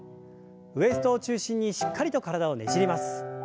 ウエストを中心にしっかりと体をねじります。